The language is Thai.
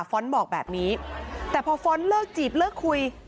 ้อนต์บอกแบบนี้แต่พอฟ้อนต์เลิกจีบเลิกคุย